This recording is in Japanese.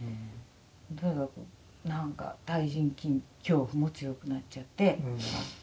なんか対人恐怖も強くなっちゃって。